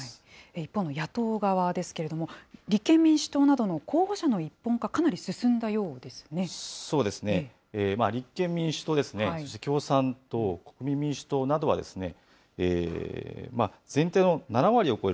一方の野党側ですけれども、立憲民主党などの候補者の一本化、そうですね、立憲民主党ですね、そして共産党、国民民主党などは、全体の７割を超える